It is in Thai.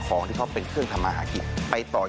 คุณอโนไทจูจังขอแสดงความจริงกับผู้ที่ได้รับรางวัลครับ